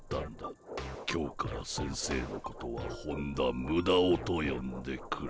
今日から先生のことは本田ムダオとよんでくれ。